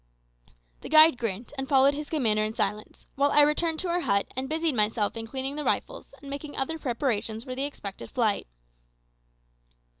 The guide grinned and followed his commander in silence, while I returned to our hut and busied myself in cleaning the rifles and making other preparations for the expected fight.